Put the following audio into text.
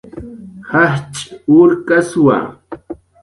Jajch' urkaswa